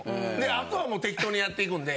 あとはもう適当にやっていくんで。